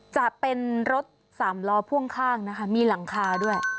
จะเป็นรถสามล้อพ่วงข้างนะคะมีหลังคาด้วย